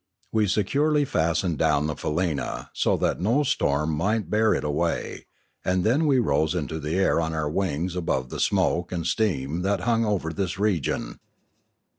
We securely fast ened down the faleena, so that no storm might bear it away; and then we rose into the air on our wings above the smoke and steam that hung over this region.